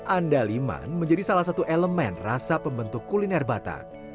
andaliman menjadi salah satu elemen rasa pembentuk kuliner batak